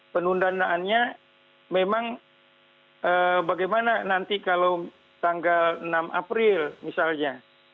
penundanaannya memang bagaimana nanti kalau tanggal enam april misalnya